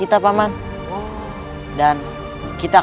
itu mana gitu mah